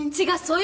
違う！